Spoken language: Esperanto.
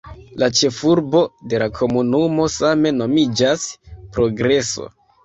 La ĉefurbo de la komunumo same nomiĝas "Progreso".